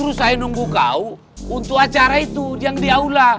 terus saya nunggu kau untuk acara itu yang di aula